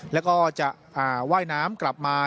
แล้วก็จะว่ายน้ำกลับมา